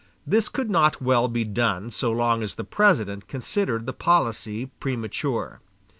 This could not well be done so long as the President considered the policy premature.